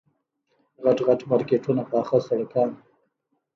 غټ غټ مارکېټونه پاخه سړکان.